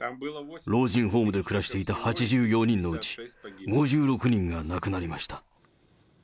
老人ホームで暮らしていた８４人のうち、５６人が亡くなりました。